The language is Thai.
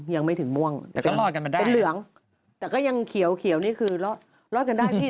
ยังไม่ถึงม่วงเป็นเหลืองแต่ก็ยังเขียวนี่คือรอดกันได้ที่